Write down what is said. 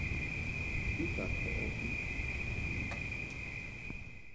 I ka kɔʼɨ bɨ ni tu i.